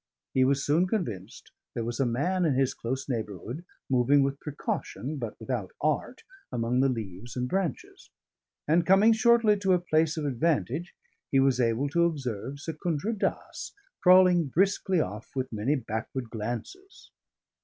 He was soon convinced there was a man in his close neighbourhood, moving with precaution but without art among the leaves and branches; and coming shortly to a place of advantage, he was able to observe Secundra Dass crawling briskly off with many backward glances.